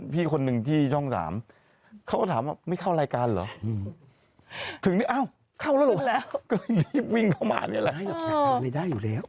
วิ่งเข้ามาเหมือนกันแหละอ๋อน้อยล่ะอยากทำอะไรได้อยู่แล้ว